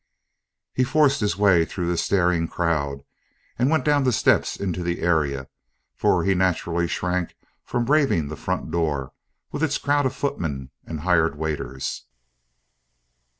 He forced his way through the staring crowd, and went down the steps into the area; for he naturally shrank from braving the front door, with its crowd of footmen and hired waiters.